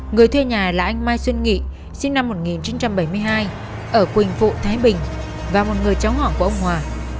người thuê nhà là anh mai xuân nghị sinh năm một nghìn chín trăm bảy mươi hai ở quỳnh phụ thái bình và một người cháu hỏi của ông hòa